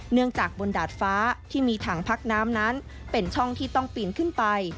เนื่องจากบนดาดฟ้าที่มีถังพักน้ำนั้นเป็นช่องที่ต้องปีนขึ้นไป